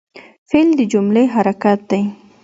فعل د جملې حرکت دئ.